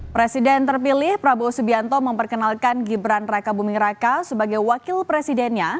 presiden terpilih prabowo subianto memperkenalkan gibran raka buming raka sebagai wakil presidennya